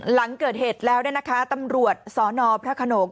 หลังเกิดเหตุแล้วตำรวจสนพระโขนง